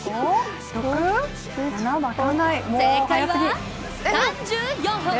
正解は、３４本。